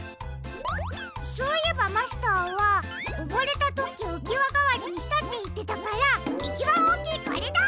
そういえばマスターはおぼれたときうきわがわりにしたっていってたからいちばんおおきいこれだ！